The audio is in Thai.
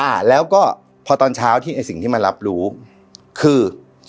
อ่าแล้วก็พอตอนเช้าที่ไอ้สิ่งที่มันรับรู้คือ